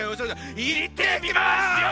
いってきますよ。